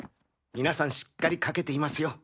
皆さんしっかり書けていますよ。